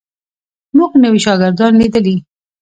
موږ نوي شاګردان لیدلي.